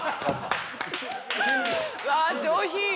わあ上品。